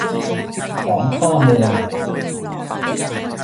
ของข้อมูล